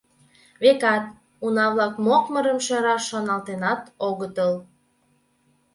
Векат, уна-влак мокмырым шӧраш шоналтенат огытыл.